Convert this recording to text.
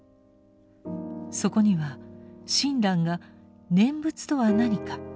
そこには親鸞が「念仏とは何か」